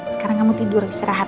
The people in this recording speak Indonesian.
sekarang kamu tidur istirahat